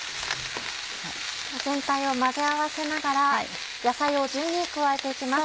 全体を混ぜ合わせながら野菜を順に加えて行きます。